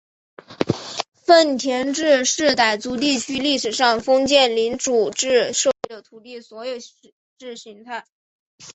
份田制是傣族地区历史上封建领主制社会的土地所有制形态。